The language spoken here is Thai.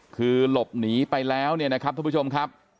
คือหลบหนีไปแล้วเนี่ยนะครับทุกผู้ชมครับ